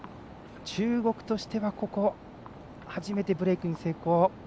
中国としては初めてブレークに成功。